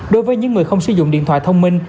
đối với những người không sử dụng điện thoại thông minh